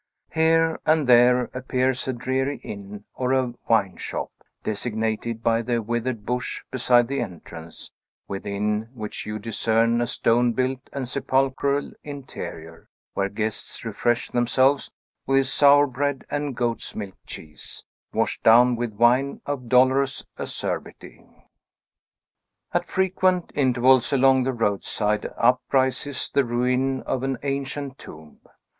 Here and there appears a dreary inn or a wine shop, designated by the withered bush beside the entrance, within which you discern a stone built and sepulchral interior, where guests refresh themselves with sour bread and goats' milk cheese, washed down with wine of dolorous acerbity. At frequent intervals along the roadside up rises the ruin of an ancient tomb.